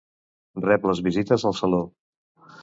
Rep les visites al saló.